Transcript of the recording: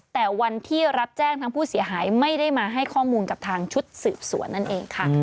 แต่วันที่รับแจ้งทั้งผู้เสียหายไม่ได้มาให้ข้อมูลกับทางชุดสืบสวนนั่นเองค่ะ